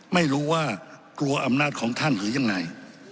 ไม่รู้ว่ากลัวอำนาจของท่านหรือยังไง